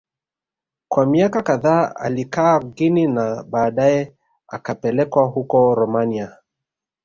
Kwa miaka kadhaa alikaa Guinea na baadae akapelekwa huko Romania